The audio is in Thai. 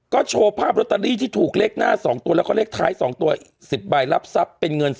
ก็โชว์ภาพลอตเตอรี่ที่ถูกเลขหน้า๒ตัวแล้วก็เลขท้าย๒ตัวอีก๑๐ใบรับทรัพย์เป็นเงิน